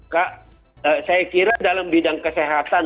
kak saya kira dalam bidang kesehatan